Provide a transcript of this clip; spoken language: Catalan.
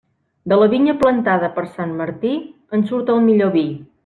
De la vinya plantada per sant Martí, en surt el millor vi.